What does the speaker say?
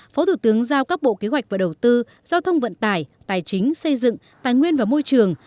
phó thủ tướng giao các bộ kế hoạch và đầu tư giao thông vận tải tài chính xây dựng tài nguyên và môi trường